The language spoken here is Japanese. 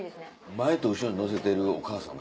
前と後ろに乗せてるお母さんも。